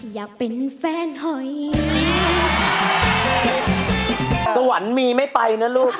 อยากเป็นแฟนหอย